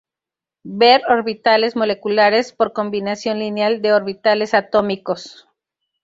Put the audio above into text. Ver Orbitales moleculares por combinación lineal de orbitales atómicos.